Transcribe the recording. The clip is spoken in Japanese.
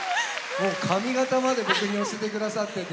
もう、髪形まで僕に寄せてくださってて。